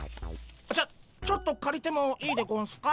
ちょちょっとかりてもいいでゴンスか？